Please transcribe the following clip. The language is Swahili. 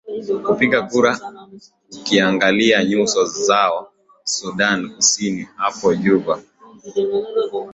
kupiga kura kukiangalia nyuso zao sudan kusini hapo juba